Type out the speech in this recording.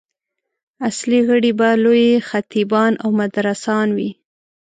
اصلي غړي به لوی خطیبان او مدرسان وي.